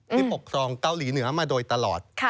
ปกครองเกาหลีเหนือมาโดยตลอด